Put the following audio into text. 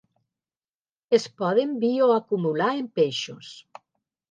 Es poden bioacumular en peixos.